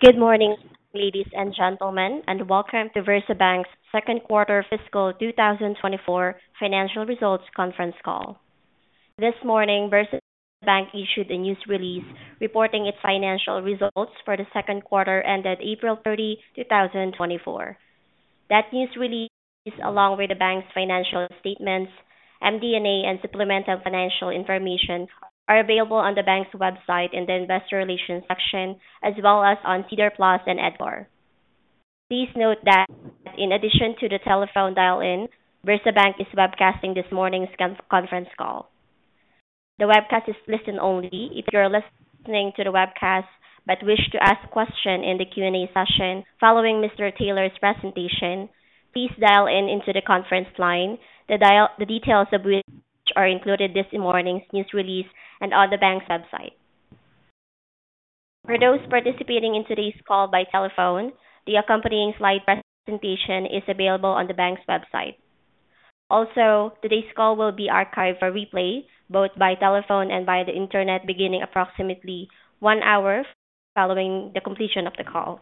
Good morning, ladies and gentlemen, and welcome to VersaBank's second quarter fiscal 2024 financial results conference call. This morning, VersaBank issued a news release reporting its financial results for the second quarter ended April 30, 2024. That news release, along with the bank's financial statements, MD&A, and supplemental financial information, are available on the bank's website in the Investor Relations section, as well as on SEDAR+ and EDGAR. Please note that in addition to the telephone dial-in, VersaBank is webcasting this morning's conference call. The webcast is listen only. If you're listening to the webcast, but wish to ask a question in the Q&A session following Mr. Taylor's presentation, please dial in to the conference line. The details of which are included in this morning's news release and on the bank's website. For those participating in today's call by telephone, the accompanying slide presentation is available on the bank's website. Also, today's call will be archived for replay, both by telephone and by the internet, beginning approximately one hour following the completion of the call.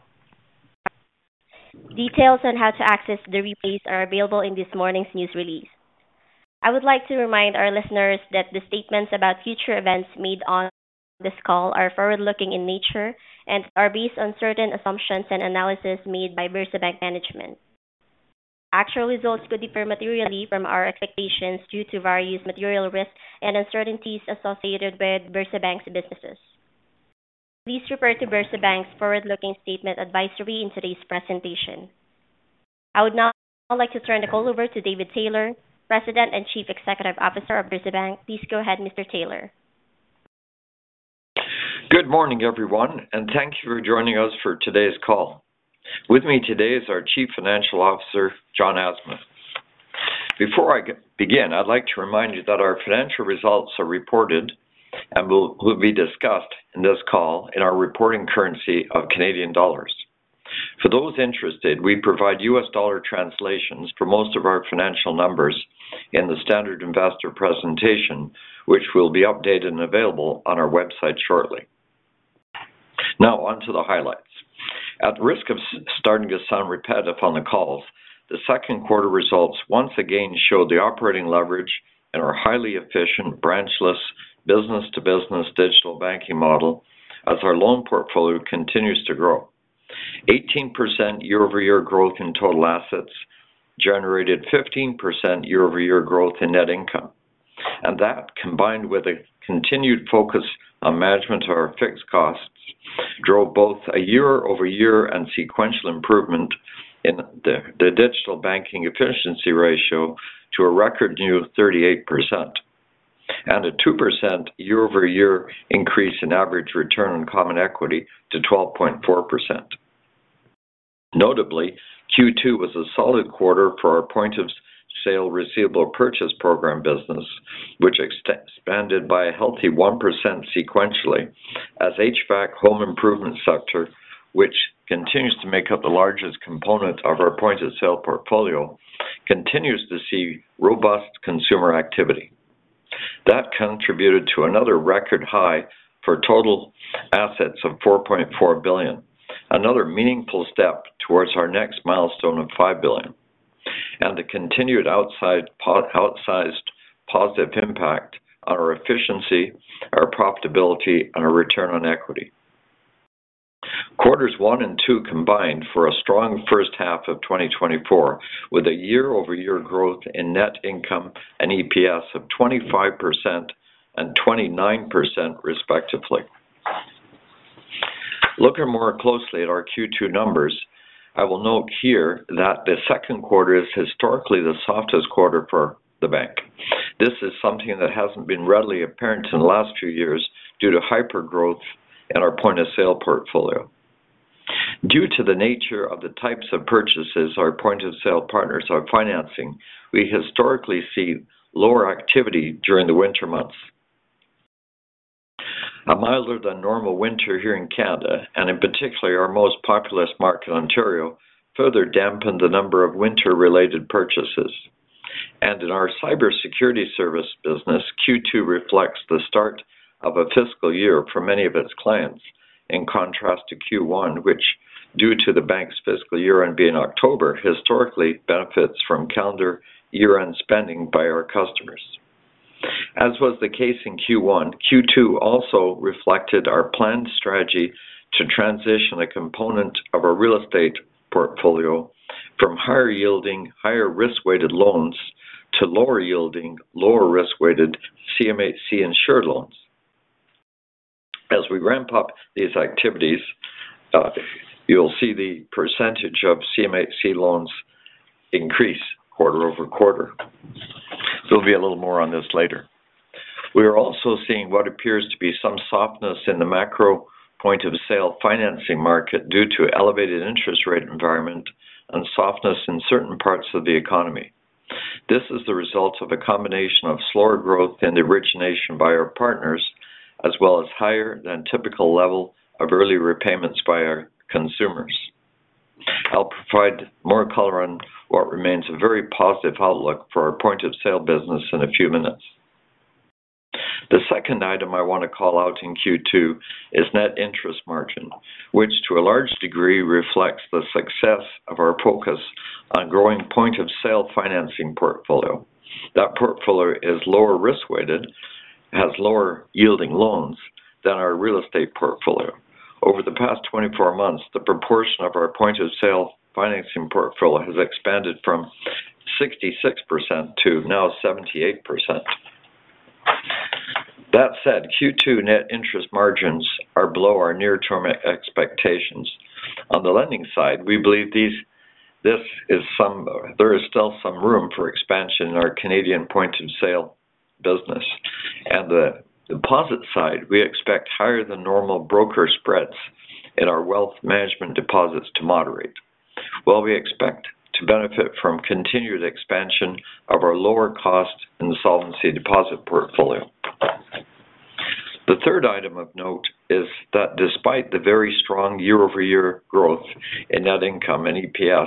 Details on how to access the replays are available in this morning's news release. I would like to remind our listeners that the statements about future events made on this call are forward-looking in nature and are based on certain assumptions and analysis made by VersaBank management. Actual results could differ materially from our expectations due to various material risks and uncertainties associated with VersaBank's businesses. Please refer to VersaBank's forward-looking statement advisory in today's presentation. I would now like to turn the call over to David Taylor, President and Chief Executive Officer of VersaBank. Please go ahead, Mr. Taylor. Good morning, everyone, and thank you for joining us for today's call. With me today is our Chief Financial Officer, John Asma. Before I begin, I'd like to remind you that our financial results are reported and will be discussed in this call in our reporting currency of Canadian dollars. For those interested, we provide U.S. dollar translations for most of our financial numbers in the standard investor presentation, which will be updated and available on our website shortly. Now, on to the highlights. At risk of starting to sound repetitive on the calls, the second quarter results once again show the operating leverage and our highly efficient branchless business-to-business digital banking model as our loan portfolio continues to grow. 18% year-over-year growth in total assets generated 15% year-over-year growth in net income, and that, combined with a continued focus on management of our fixed costs, drove both a year-over-year and sequential improvement in the digital banking efficiency ratio to a record new 38%, and a 2% year-over-year increase in average return on common equity to 12.4%. Notably, Q2 was a solid quarter for our Point-of-Sale Receivable Purchase Program business, which expanded by a healthy 1% sequentially as HVAC home improvement sector, which continues to make up the largest component of our point-of-sale portfolio, continues to see robust consumer activity. That contributed to another record high for total assets of 4.4 billion, another meaningful step towards our next milestone of 5 billion, and a continued outsized positive impact on our efficiency, our profitability, and our return on equity. Quarters one and two combined for a strong first half of 2024, with a year-over-year growth in net income and EPS of 25% and 29%, respectively. Looking more closely at our Q2 numbers, I will note here that the second quarter is historically the softest quarter for the bank. This is something that hasn't been readily apparent in the last few years due to hypergrowth in our point-of-sale portfolio. Due to the nature of the types of purchases our point-of-sale partners are financing, we historically see lower activity during the winter months. A milder than normal winter here in Canada, and in particular our most populous market, Ontario, further dampened the number of winter-related purchases. And in our cybersecurity service business, Q2 reflects the start of a fiscal year for many of its clients, in contrast to Q1, which, due to the bank's fiscal year-end being October, historically benefits from calendar year-end spending by our customers. As was the case in Q1, Q2 also reflected our planned strategy to transition a component of our real estate portfolio from higher-yielding, higher risk-weighted loans to lower-yielding, lower risk-weighted CMHC insured loans. As we ramp up these activities, you'll see the percentage of CMHC loans increase quarter-over-quarter. There'll be a little more on this later. We are also seeing what appears to be some softness in the macro point-of-sale financing market due to elevated interest rate environment and softness in certain parts of the economy. This is the result of a combination of slower growth and origination by our partners, as well as higher than typical level of early repayments by our consumers. I'll provide more color on what remains a very positive outlook for our point-of-sale business in a few minutes... Second item I want to call out in Q2 is net interest margin, which to a large degree reflects the success of our focus on growing point of sale financing portfolio. That portfolio is lower risk-weighted, has lower yielding loans than our real estate portfolio. Over the past 24 months, the proportion of our point of sale financing portfolio has expanded from 66% to now 78%. That said, Q2 net interest margins are below our near-term expectations. On the lending side, we believe there is still some room for expansion in our Canadian point of sale business. At the deposit side, we expect higher than normal broker spreads in our wealth management deposits to moderate, while we expect to benefit from continued expansion of our lower cost and insolvency deposit portfolio. The third item of note is that despite the very strong year-over-year growth in net income and EPS,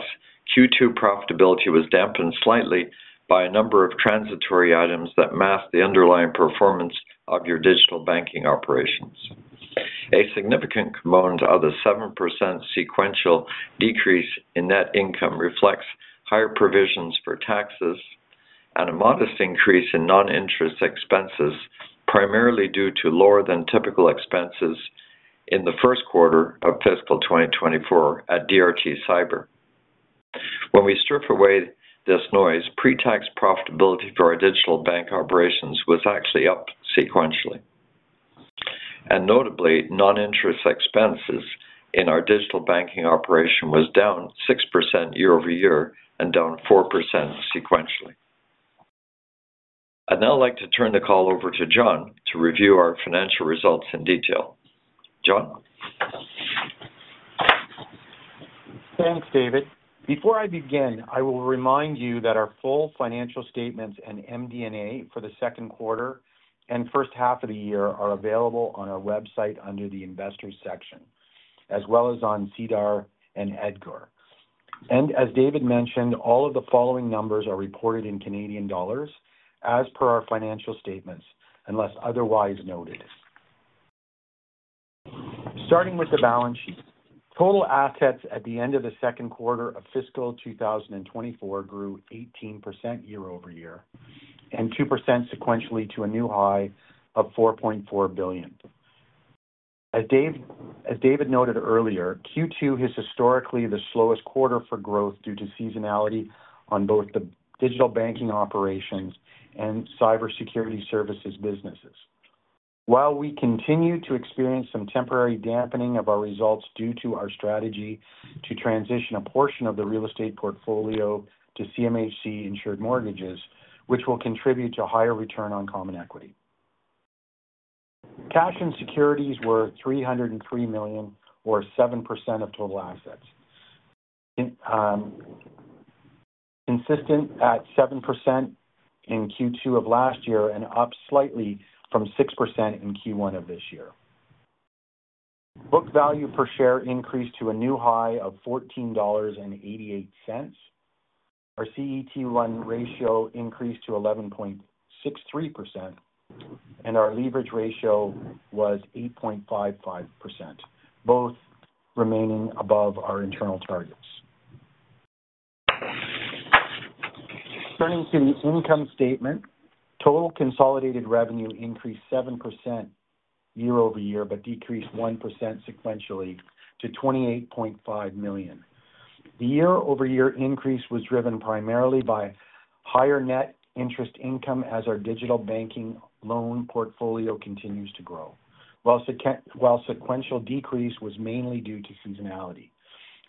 Q2 profitability was dampened slightly by a number of transitory items that masked the underlying performance of your digital banking operations. A significant component of the 7% sequential decrease in net income reflects higher provisions for taxes and a modest increase in non-interest expenses, primarily due to lower than typical expenses in the first quarter of fiscal 2024 at DRT Cyber. When we strip away this noise, pre-tax profitability for our digital bank operations was actually up sequentially. And notably, non-interest expenses in our digital banking operation was down 6% year-over-year and down 4% sequentially. I'd now like to turn the call over to John to review our financial results in detail. John? Thanks, David. Before I begin, I will remind you that our full financial statements and MD&A for the second quarter and first half of the year are available on our website under the Investors section, as well as on SEDAR and EDGAR. As David mentioned, all of the following numbers are reported in Canadian dollars, as per our financial statements, unless otherwise noted. Starting with the balance sheet. Total assets at the end of the second quarter of fiscal 2024 grew 18% year-over-year and 2% sequentially to a new high of 4.4 billion. As David noted earlier, Q2 is historically the slowest quarter for growth due to seasonality on both the digital banking operations and cybersecurity services businesses. While we continue to experience some temporary dampening of our results due to our strategy to transition a portion of the real estate portfolio to CMHC insured mortgages, which will contribute to higher return on common equity. Cash and securities were 303 million, or 7% of total assets. Consistent at 7% in Q2 of last year and up slightly from 6% in Q1 of this year. Book value per share increased to a new high of 14.88 dollars. Our CET1 ratio increased to 11.63%, and our leverage ratio was 8.55%, both remaining above our internal targets. Turning to the income statement. Total consolidated revenue increased 7% year-over-year, but decreased 1% sequentially to 28.5 million. The year-over-year increase was driven primarily by higher net interest income as our digital banking loan portfolio continues to grow, while sequential decrease was mainly due to seasonality,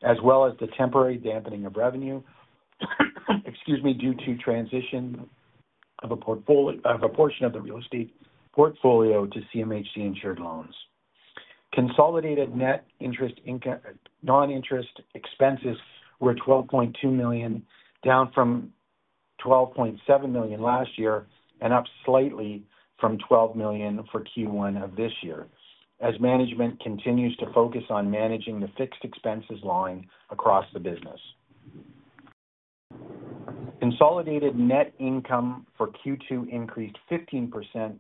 as well as the temporary dampening of revenue, excuse me, due to transition of a portion of the real estate portfolio to CMHC insured loans. Consolidated non-interest expenses were 12.2 million, down from 12.7 million last year, and up slightly from 12 million for Q1 of this year, as management continues to focus on managing the fixed expenses line across the business. Consolidated net income for Q2 increased 15%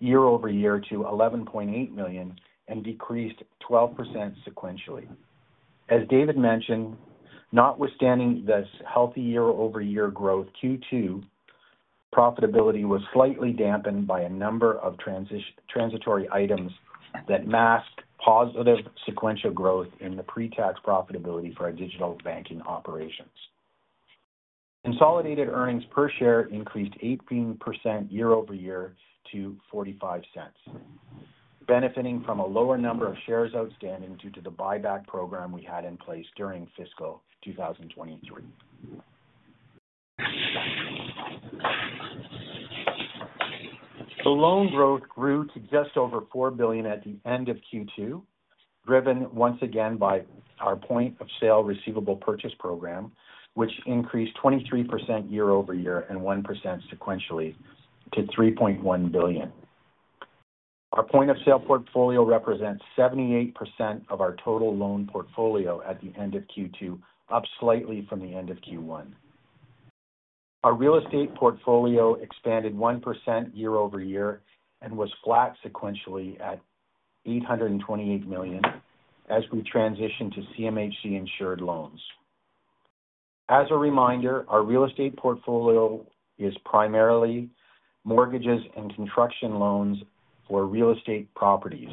year-over-year to 11.8 million and decreased 12% sequentially. As David mentioned, notwithstanding this healthy year-over-year growth, Q2 profitability was slightly dampened by a number of transitory items that masked positive sequential growth in the pre-tax profitability for our digital banking operations. Consolidated earnings per share increased 18% year-over-year to 0.45, benefiting from a lower number of shares outstanding due to the buyback program we had in place during fiscal 2023. The loan growth grew to just over 4 billion at the end of Q2, driven once again by our point of sale receivable purchase program, which increased 23% year-over-year and 1% sequentially to 3.1 billion. Our point of sale portfolio represents 78% of our total loan portfolio at the end of Q2, up slightly from the end of Q1. Our real estate portfolio expanded 1% year-over-year and was flat sequentially at 828 million as we transitioned to CMHC insured loans. As a reminder, our real estate portfolio is primarily mortgages and construction loans for real estate properties.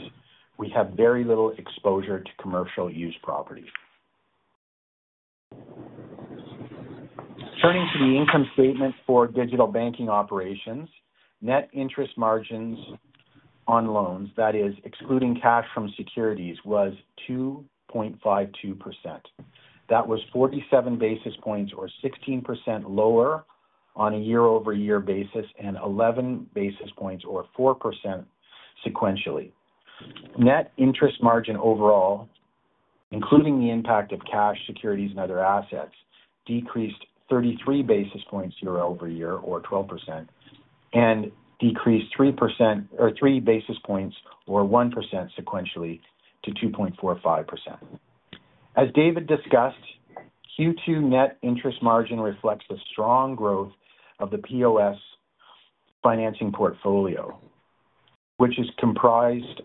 We have very little exposure to commercial use properties. Turning to the income statement for digital banking operations, net interest margins on loans, that is excluding cash from securities, was 2.52%. That was 47 basis points or 16% lower on a year-over-year basis, and 11 basis points or 4% sequentially. Net interest margin overall, including the impact of cash, securities, and other assets, decreased 33 basis points year-over-year or 12% and decreased 3% or 3 basis points or 1% sequentially to 2.45%. As David discussed, Q2 net interest margin reflects the strong growth of the POS financing portfolio, which is comprised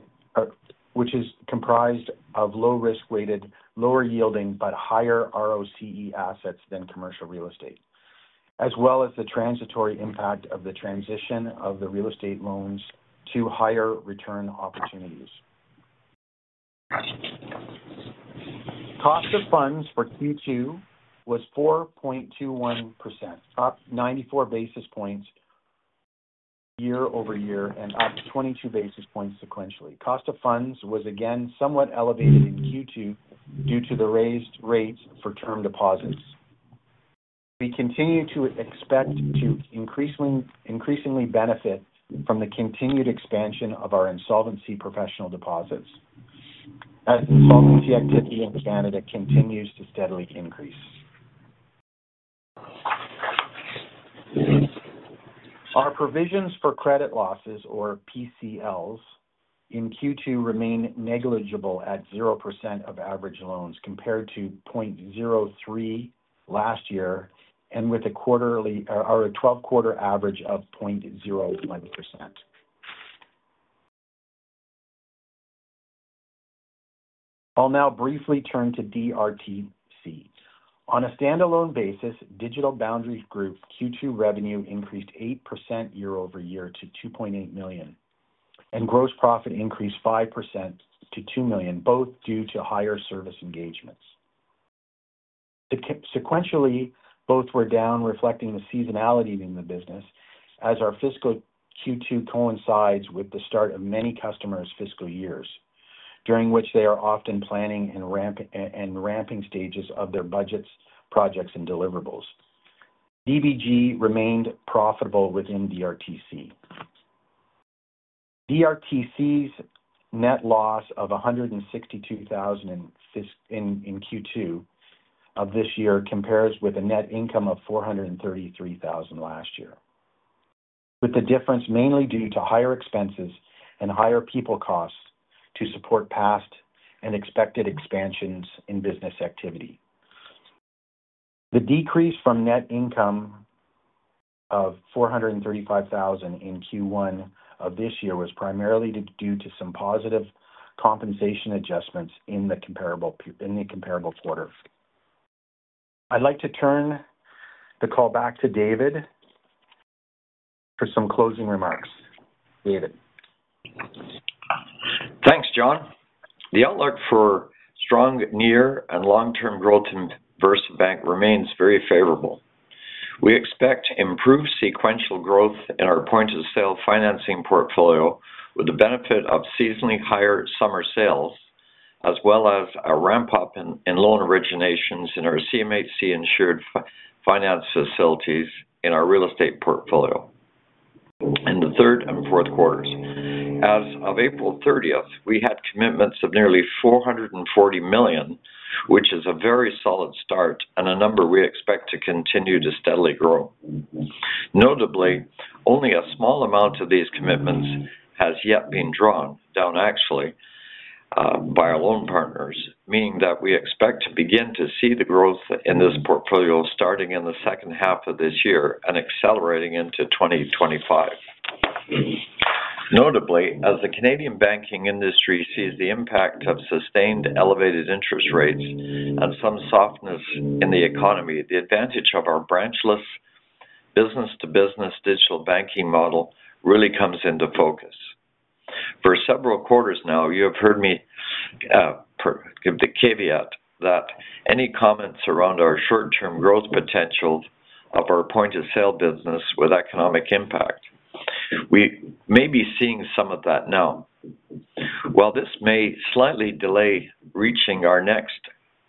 of low risk-weighted, lower yielding, but higher ROCE assets than commercial real estate, as well as the transitory impact of the transition of the real estate loans to higher return opportunities. Cost of funds for Q2 was 4.21%, up 94 basis points year-over-year and up 22 basis points sequentially. Cost of funds was again somewhat elevated in Q2 due to the raised rates for term deposits. We continue to expect to increasingly, increasingly benefit from the continued expansion of our insolvency professional deposits, as insolvency activity in Canada continues to steadily increase. Our provisions for credit losses, or PCLs, in Q2 remain negligible at 0% of average loans, compared to 0.03% last year, and with a quarterly or a 12-quarter average of 0.01%. I'll now briefly turn to DRTC. On a standalone basis, Digital Boundary Group's Q2 revenue increased 8% year-over-year to 2.8 million, and gross profit increased 5% to 2 million, both due to higher service engagements. Sequentially, both were down, reflecting the seasonality in the business as our fiscal Q2 coincides with the start of many customers' fiscal years, during which they are often planning and ramping stages of their budgets, projects, and deliverables. DBG remained profitable within DRTC. DRTC's net loss of 162,000 in Q2 of this year compares with a net income of 433,000 last year, with the difference mainly due to higher expenses and higher people costs to support past and expected expansions in business activity. The decrease from net income of 435,000 in Q1 of this year was primarily due to some positive compensation adjustments in the comparable quarter. I'd like to turn the call back to David for some closing remarks. David? Thanks, John. The outlook for strong near- and long-term growth in VersaBank remains very favorable. We expect improved sequential growth in our point-of-sale financing portfolio, with the benefit of seasonally higher summer sales, as well as a ramp-up in loan originations in our CMHC insured finance facilities in our real estate portfolio in the third and fourth quarters. As of April 30th, we had commitments of nearly 440 million, which is a very solid start and a number we expect to continue to steadily grow. Notably, only a small amount of these commitments has yet been drawn down actually by our loan partners, meaning that we expect to begin to see the growth in this portfolio starting in the second half of this year and accelerating into 2025. Notably, as the Canadian banking industry sees the impact of sustained elevated interest rates and some softness in the economy, the advantage of our branchless business-to-business digital banking model really comes into focus. For several quarters now, you have heard me give the caveat that any comments around our short-term growth potential of our point-of-sale business with economic impact. We may be seeing some of that now. While this may slightly delay reaching our next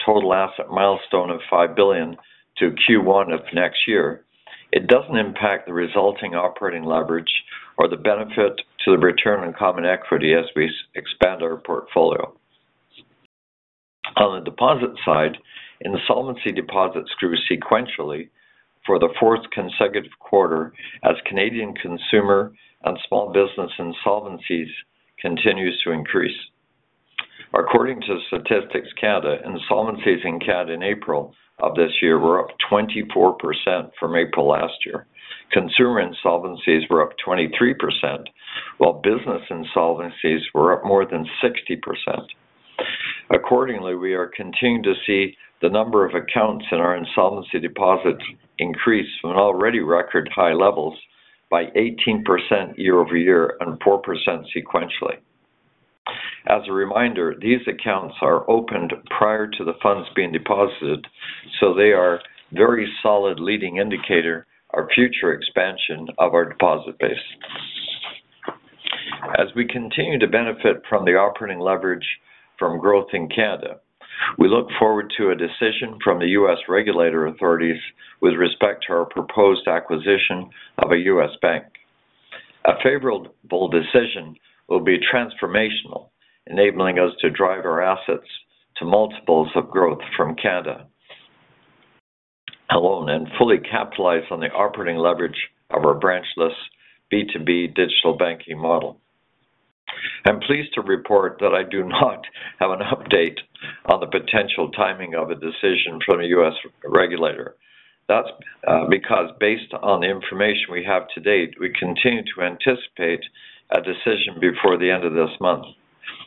total asset milestone of 5 billion to Q1 of next year, it doesn't impact the resulting operating leverage or the benefit to the return on common equity as we expand our portfolio. On the deposit side, insolvency deposits grew sequentially for the fourth consecutive quarter, as Canadian consumer and small business insolvencies continue to increase. According to Statistics Canada, insolvencies in Canada in April of this year were up 24% from April last year. Consumer insolvencies were up 23%, while business insolvencies were up more than 60%. Accordingly, we are continuing to see the number of accounts in our insolvency deposits increase from an already record-high levels by 18% year-over-year and 4% sequentially. As a reminder, these accounts are opened prior to the funds being deposited, so they are very solid leading indicator of future expansion of our deposit base. As we continue to benefit from the operating leverage from growth in Canada, we look forward to a decision from the U.S. regulatory authorities with respect to our proposed acquisition of a U.S. bank. A favorable decision will be transformational, enabling us to drive our assets to multiples of growth from Canada alone, and fully capitalize on the operating leverage of our branchless B2B digital banking model. I'm pleased to report that I do not have an update on the potential timing of a decision from a U.S. regulator. That's, because based on the information we have to date, we continue to anticipate a decision before the end of this month.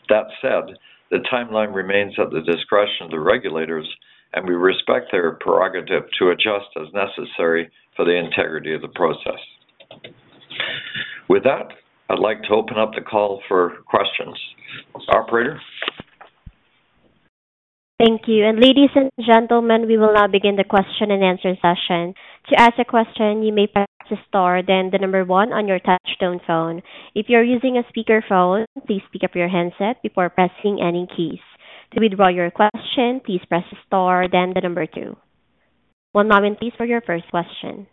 That said, the timeline remains at the discretion of the regulators, and we respect their prerogative to adjust as necessary for the integrity of the process. With that, I'd like to open up the call for questions. Operator? Thank you. Ladies and gentlemen, we will now begin the question and answer session. To ask a question, you may press star, then the number one on your touchtone phone. If you're using a speakerphone, please pick up your handset before pressing any keys. To withdraw your question, please press star, then the number two. One moment, please, for your first question.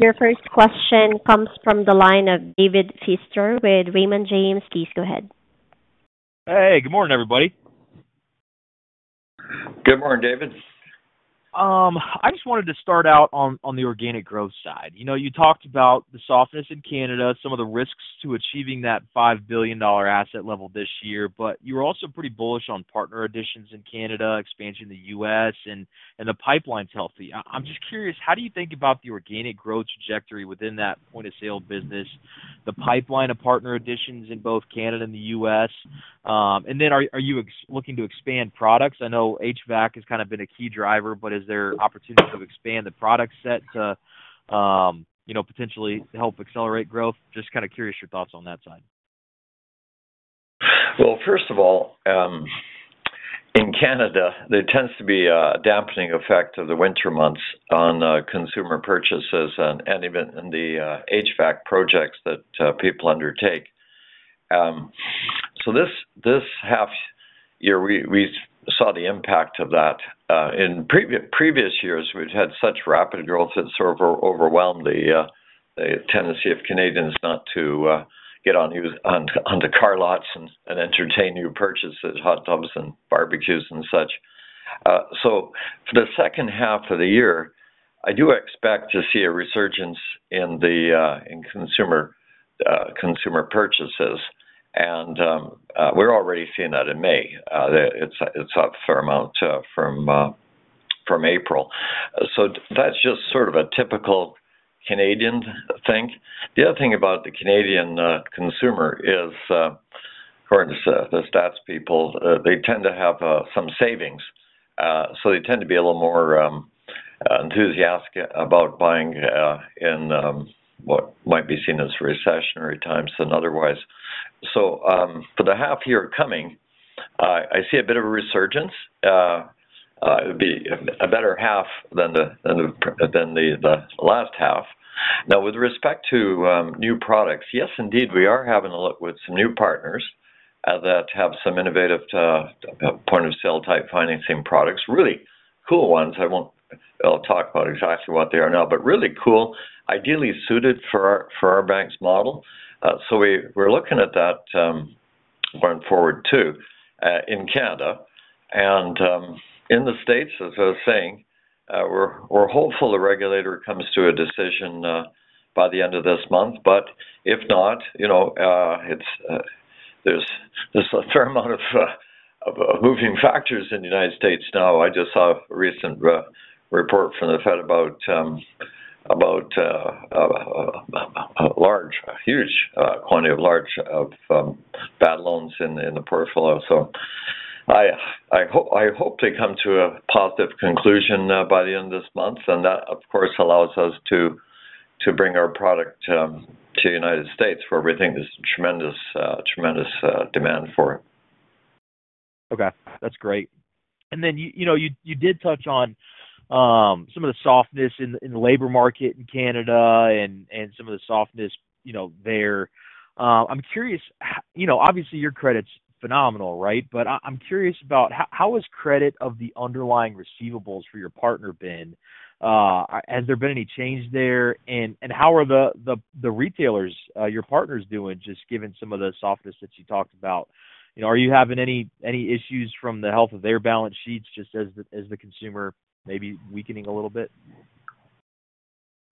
Your first question comes from the line of David Feaster with Raymond James. Please go ahead. Hey, good morning, everybody. Good morning, David. I just wanted to start out on the organic growth side. You know, you talked about the softness in Canada, some of the risks to achieving that 5 billion dollar asset level this year, but you were also pretty bullish on partner additions in Canada, expansion in the U.S., and the pipeline's healthy. I'm just curious, how do you think about the organic growth trajectory within that point-of-sale business, the pipeline of partner additions in both Canada and the U.S.? And then are you looking to expand products? I know HVAC has kind of been a key driver, but is there opportunity to expand the product set to, you know, potentially help accelerate growth? Just kind of curious your thoughts on that side. Well, first of all, in Canada, there tends to be a dampening effect of the winter months on consumer purchases and even in the HVAC projects that people undertake. So this half year, we saw the impact of that. In previous years, we've had such rapid growth that sort of overwhelmed the tendency of Canadians not to get on the car lots and entertain new purchases, hot tubs, and barbecues and such. So for the second half of the year, I do expect to see a resurgence in consumer purchases, and we're already seeing that in May. It's up a fair amount from April. So that's just sort of a typical Canadian thing. The other thing about the Canadian consumer is, according to the stats people, they tend to have some savings. So they tend to be a little more enthusiastic about buying in what might be seen as recessionary times than otherwise. So, for the half year coming, I see a bit of a resurgence. It'll be a better half than the last half. Now, with respect to new products, yes, indeed, we are having a look with some new partners that have some innovative point-of-sale-type financing products. Really cool ones. I won't. I'll talk about exactly what they are now, but really cool, ideally suited for our bank's model. So we're looking at that going forward, too, in Canada. In the States, as I was saying, we're hopeful the regulator comes to a decision by the end of this month. But if not, you know, there's a fair amount of moving factors in the United States now. I just saw a recent report from the Fed about a huge quantity of bad loans in the portfolio. I hope to come to a positive conclusion by the end of this month, and that, of course, allows us to bring our product to the United States, where we think there's tremendous demand for it. Okay, that's great. And then you know, you did touch on some of the softness in the labor market in Canada and some of the softness, you know, there. I'm curious, you know, obviously, your credit's phenomenal, right? But I'm curious about how is credit of the underlying receivables for your partner been? Has there been any change there? And how are the retailers, your partners doing, just given some of the softness that you talked about? You know, are you having any issues from the health of their balance sheets just as the consumer may be weakening a little bit?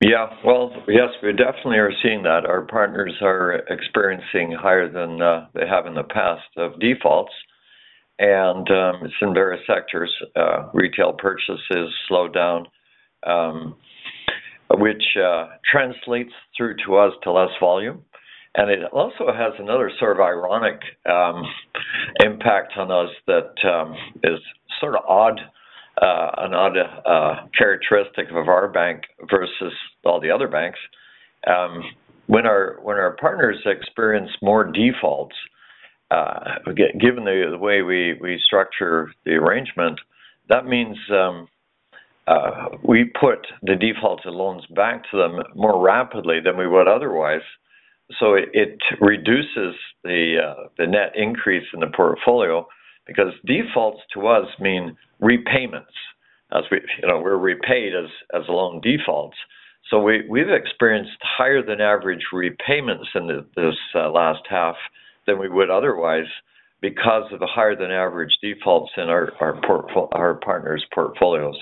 Yeah. Well, yes, we definitely are seeing that. Our partners are experiencing higher than they have in the past of defaults, and it's in various sectors. Retail purchases slowed down, which translates through to us to less volume. And it also has another sort of ironic impact on us that is sort of odd, an odd characteristic of our bank versus all the other banks. When our partners experience more defaults, given the way we structure the arrangement, that means we put the defaulted loans back to them more rapidly than we would otherwise. So it reduces the net increase in the portfolio because defaults to us mean repayments. As we you know, we're repaid as loan defaults. So we've experienced higher than average repayments in this last half than we would otherwise because of the higher than average defaults in our partners' portfolios.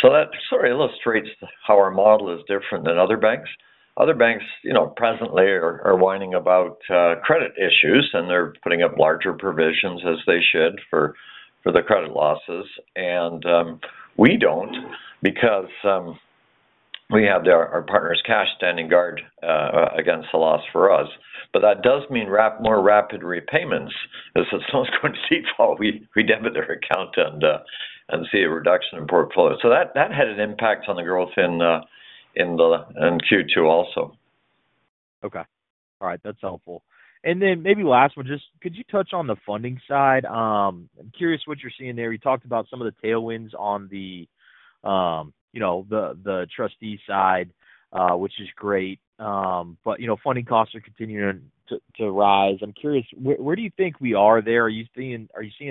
So that sort of illustrates how our model is different than other banks. Other banks, you know, presently are whining about credit issues, and they're putting up larger provisions, as they should, for the credit losses. We don't because we have our partners' cash standing guard against the loss for us. But that does mean more rapid repayments. As soon as someone's going to default, we debit their account and see a reduction in portfolio. So that had an impact on the growth in Q2 also. Okay. All right, that's helpful. And then maybe last one, just could you touch on the funding side? I'm curious what you're seeing there. You talked about some of the tailwinds on the, you know, the trustee side, which is great. But, you know, funding costs are continuing to rise. I'm curious, where do you think we are there? Are you seeing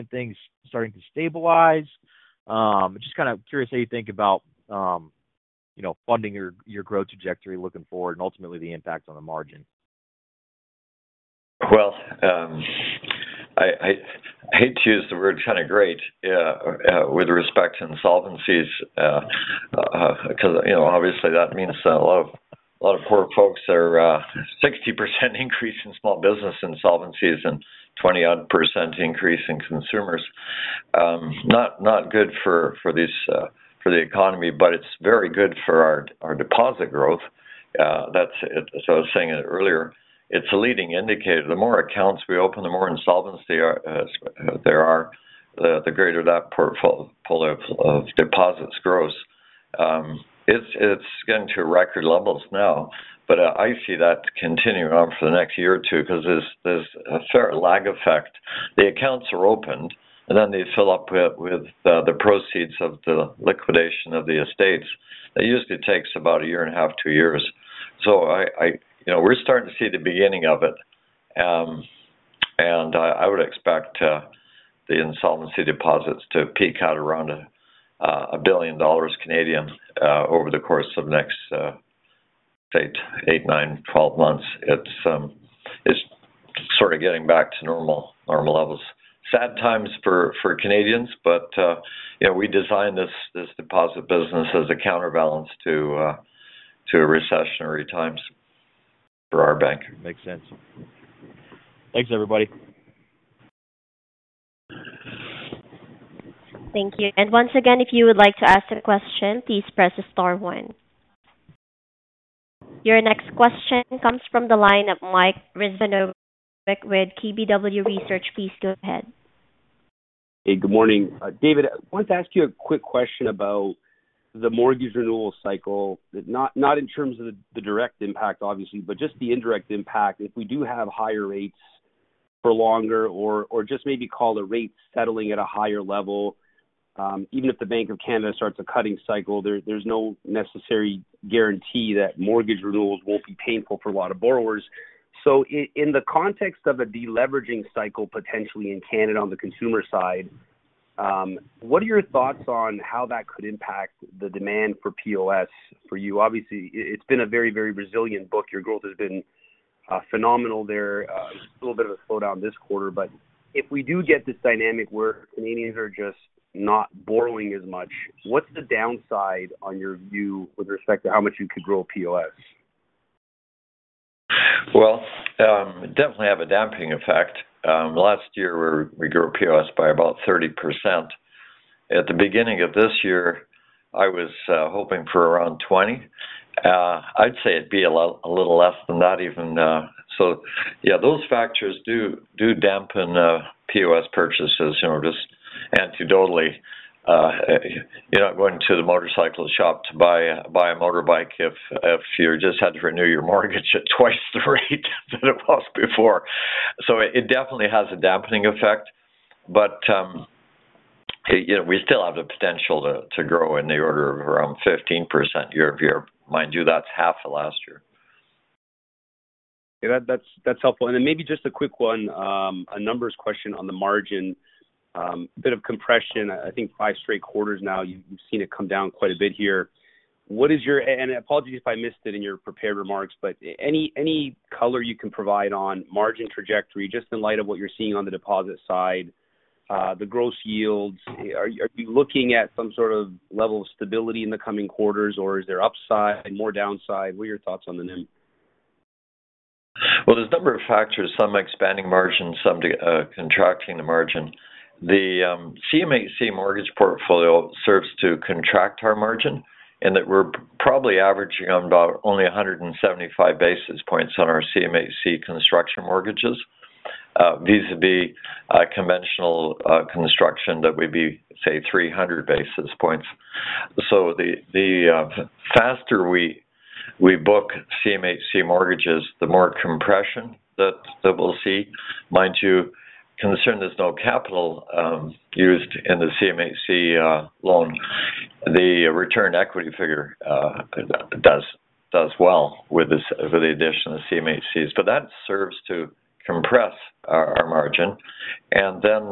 things starting to stabilize? Just kind of curious how you think about, you know, funding your growth trajectory looking forward and ultimately the impact on the margin. Well, I hate to use the word kind of great with respect to insolvencies because, you know, obviously, that means that a lot of poor folks are... 60% increase in small business insolvencies and 20-odd% increase in consumers. Not good for these for the economy, but it's very good for our deposit growth. That's as I was saying earlier, it's a leading indicator. The more accounts we open, the more insolvencies there are, the greater that portfolio of deposits grows. It's getting to record levels now, but I see that continuing on for the next year or two because there's a fair lag effect. The accounts are opened, and then they fill up with the proceeds of the liquidation of the estates. It usually takes about a year and a half, two years. So, you know, we're starting to see the beginning of it. And I would expect the insolvency deposits to peak out around 1 billion dollars over the course of the next eight months-12 months. It's sort of getting back to normal levels. Sad times for Canadians, but you know, we designed this deposit business as a counterbalance to recessionary times for our bank. Makes sense. Thanks, everybody. Thank you. Once again, if you would like to ask a question, please press star one. Your next question comes from the line of Mike Rizvanovic with KBW Research. Please go ahead. Hey, good morning. David, I wanted to ask you a quick question about the mortgage renewal cycle, not, not in terms of the, the direct impact, obviously, but just the indirect impact. If we do have higher rates for longer or, or just maybe call the rates settling at a higher level, even if the Bank of Canada starts a cutting cycle, there's, there's no necessary guarantee that mortgage renewals won't be painful for a lot of borrowers. So in the context of a deleveraging cycle, potentially in Canada on the consumer side, what are your thoughts on how that could impact the demand for POS for you? Obviously, it's been a very, very resilient book. Your growth has been phenomenal there. A little bit of a slowdown this quarter, but if we do get this dynamic where Canadians are just not borrowing as much, what's the downside on your view with respect to how much you could grow POS? Well, definitely have a damping effect. Last year, we grew POS by about 30%. At the beginning of this year, I was hoping for around 20. I'd say it'd be a little less than that even. So yeah, those factors do dampen POS purchases. You know, just anecdotally, you're not going to the motorcycle shop to buy a motorbike if you just had to renew your mortgage at twice the rate than it was before. So it definitely has a dampening effect, but you know, we still have the potential to grow in the order of around 15% year-over-year. Mind you, that's half of last year. Yeah, that's helpful. And then maybe just a quick one, a numbers question on the margin. A bit of compression. I think five straight quarters now, you've seen it come down quite a bit here. What is your... and apologies if I missed it in your prepared remarks, but any, any color you can provide on margin trajectory, just in light of what you're seeing on the deposit side? The gross yields. Are you looking at some sort of level of stability in the coming quarters, or is there upside, more downside? What are your thoughts on the NIM? Well, there's a number of factors, some expanding margin, some de-contracting the margin. The CMHC mortgage portfolio serves to contract our margin and that we're probably averaging on about only 175 basis points on our CMHC construction mortgages. Vis-a-vis conventional construction, that would be, say, 300 basis points. So the faster we book CMHC mortgages, the more compression that we'll see. Mind you, concerned there's no capital used in the CMHC loan. The return equity figure does well with this, with the addition of CMHCs. So that serves to compress our margin. And then,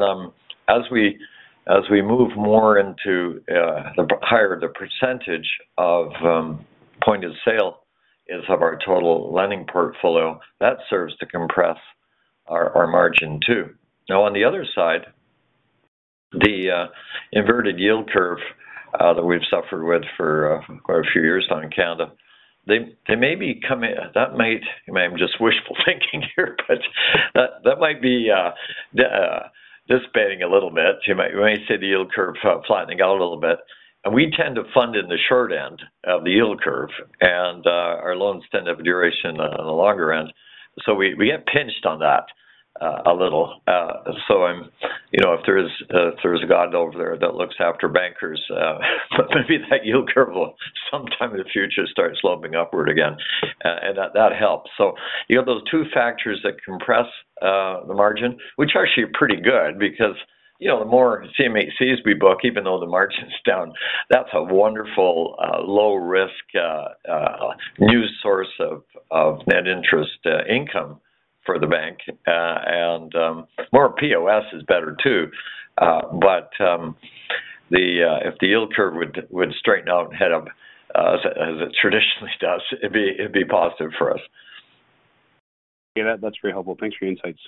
as we move more into the higher the percentage of point of sale is of our total lending portfolio, that serves to compress our margin too. Now, on the other side, the inverted yield curve that we've suffered with for quite a few years now in Canada. That might be just wishful thinking here, but that might be dissipating a little bit. You might see the yield curve flattening out a little bit. And we tend to fund in the short end of the yield curve, and our loans tend to have duration on the longer end. So we get pinched on that a little. So I'm, you know, if there's a God over there that looks after bankers, maybe that yield curve will sometime in the future start sloping upward again. And that helps. So you have those two factors that compress the margin, which are actually pretty good because, you know, the more CMHCs we book, even though the margin's down, that's a wonderful low risk new source of net interest income for the bank. And more POS is better, too. But if the yield curve would straighten out and head up as it traditionally does, it'd be positive for us. Yeah, that's very helpful. Thanks for your insights.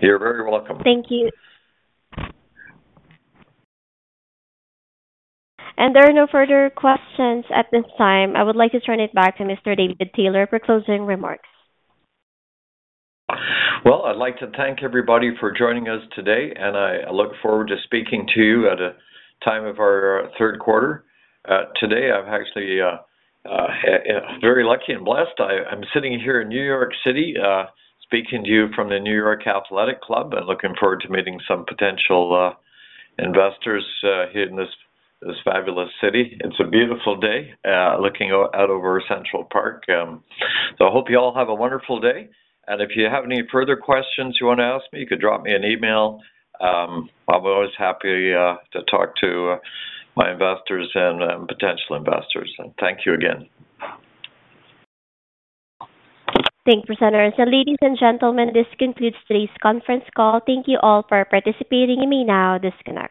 You're very welcome. Thank you. There are no further questions at this time. I would like to turn it back to Mr. David Taylor for closing remarks. Well, I'd like to thank everybody for joining us today, and I look forward to speaking to you at a time of our third quarter. Today, I'm actually very lucky and blessed. I'm sitting here in New York City, speaking to you from the New York Athletic Club and looking forward to meeting some potential investors here in this fabulous city. It's a beautiful day, looking out over Central Park. So I hope you all have a wonderful day, and if you have any further questions you want to ask me, you could drop me an email. I'm always happy to talk to my investors and potential investors. And thank you again. Thanks for sending us. Ladies and gentlemen, this concludes today's conference call. Thank you all for participating. You may now disconnect.